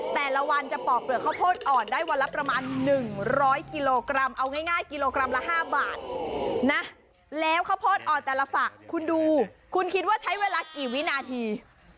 แล้วข้าวโพสต์อ่อนแต่ละฝั่งคุณดูคุณคิดว่าใช้เวลากี่วินาที